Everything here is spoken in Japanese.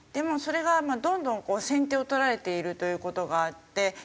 それがどんどんこう先手を取られているという事があって。